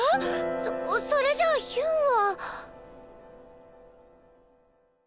そそれじゃヒュンは。